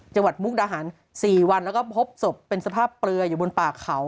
มุกดาหาร๔วันแล้วก็พบศพเป็นสภาพเปลืออยู่บนป่าเขา